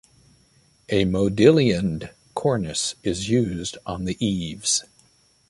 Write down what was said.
A modillioned cornice is used on the eaves.